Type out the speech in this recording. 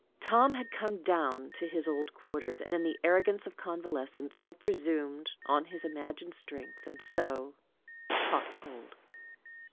Tom had come down to his old quarters, and, in the arrogance of convalescence, had presumed on his imagined strength, and so caught cold.